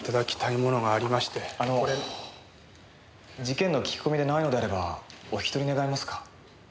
事件の聞き込みでないのであればお引き取り願えますか？